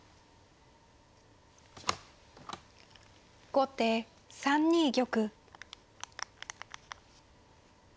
後手３二玉。